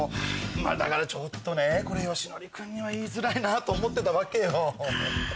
だからちょっとねこれ義徳君には言いづらいなと思ってたわけよ。